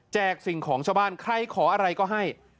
สิ่งของชาวบ้านใครขออะไรก็ให้